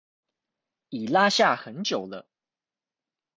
已拉下很久了